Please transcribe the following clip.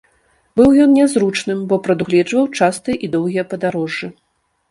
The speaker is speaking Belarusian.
Быў ён нязручным, бо прадугледжваў частыя і доўгія падарожжы.